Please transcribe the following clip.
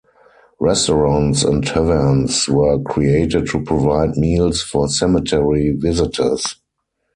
Restaurants and taverns were created to provide meals for cemetery visitors.